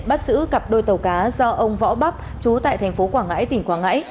bắt giữ cặp đôi tàu cá do ông võ bắp trú tại thành phố quảng ngãi tỉnh quảng ngãi